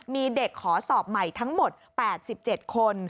มีเด็กขอสอบใหม่ทั้งหมด๘๗คน